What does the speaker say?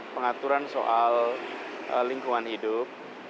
pengaturan soal lingkungan hidup